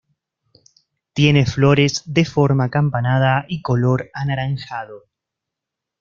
Tiene flores de forma acampanada y color anaranjado.